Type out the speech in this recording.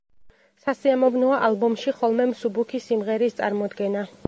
სასიამოვნოა ალბომში ხოლმე მსუბუქი სიმღერის წარმოდგენა.